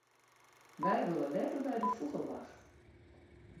Wy wolle letter by de fûgelwacht.